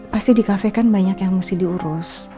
pasti di kafe kan banyak yang mesti diurus